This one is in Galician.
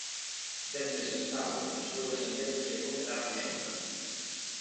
Dez meses tarde, despois das sentenzas que condenaron a Xunta.